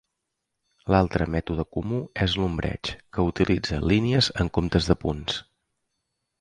L'altre mètode comú és l'ombreig, que utilitza línies en comptes de punts.